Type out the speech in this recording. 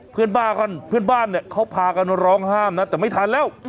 เพื่อนบ้านเขาพากันร้องห้ามนะแต่ไม่ทันแล้ว